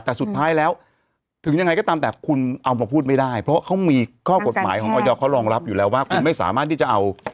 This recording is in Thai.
แต่สุดท้ายแล้วถึงยังไงก็ตามแต่คุณเอามาพูดไม่ได้เพราะเขามีข้อกฎหมายของออยเขารองรับอยู่แล้วว่าคุณไม่สามารถที่จะเอา